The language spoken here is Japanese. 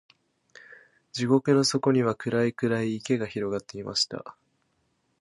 地獄の底には、暗い暗い池が広がっていました。